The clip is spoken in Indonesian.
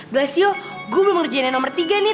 glassio gua belum ngerjain yang nomor tiga nih